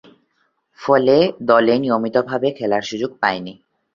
ফলে, দলে নিয়মিতভাবে খেলার সুযোগ পাননি।